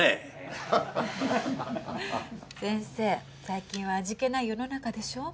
最近は味気ない世の中でしょう。